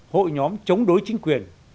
hội nhóm chống đối chính quyền